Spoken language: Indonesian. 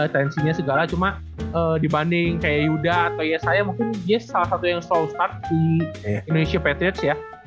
tensinya segala cuma dibanding kayak yuda atau ya saya mungkin dia salah satu yang selalu start di indonesia patriage ya